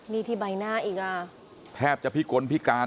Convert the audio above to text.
นี่ที่ใบหน้าอีกอ่ะ